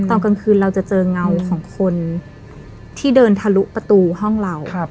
ตอนกลางคืนเราจะเจอเงาของคนที่เดินทะลุประตูห้องเรา